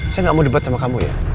saya gak mau debat sama kamu ya